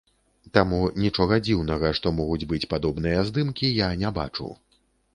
Таму нічога дзіўнага, што могуць быць падобныя здымкі, я не бачу.